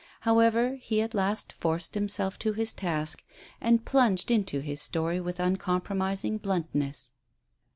However, he at last forced himself to his task, and plunged into his story with uncompromising bluntness.